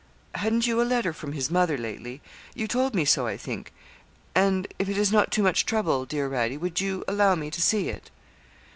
Hadn't you a letter from his mother lately? You told me so, I think; and if it is not too much trouble, dear Radie, would you allow me to see it?'